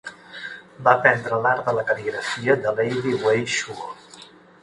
Va aprendre l'art de la cal·ligrafia de Lady Wei Shuo.